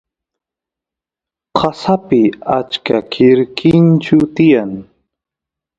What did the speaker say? qasapi achka quirquinchu tiyan